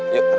yuk ntar d g